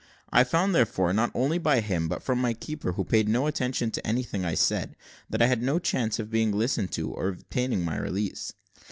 I found, therefore, not only by him, but from the keeper, who paid no attention to anything I said, that I had no chance of being listened to, or of obtaining my release.